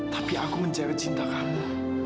tapi aku mencari cinta kamu